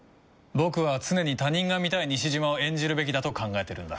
僕は常に他人が見たい西島を演じるべきだと考えてるんだ。